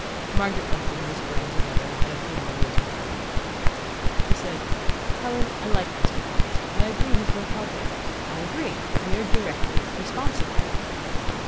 Margaret left them whispering together and had a few more words with Helen. She said: "Helen, I like Mr. Bast. I agree that he's worth helping. I agree that we are directly responsible."